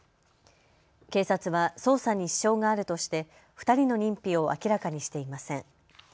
警察は捜査に支障があるとして２人の認否を明らかにしていません。